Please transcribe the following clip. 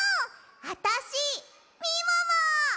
あたしみもも！